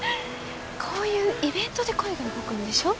こういうイベントで恋が動くんでしょ